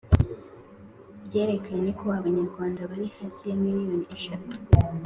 ryerekanye ko abanyarwanda bari hasi ya miliyoni eshatu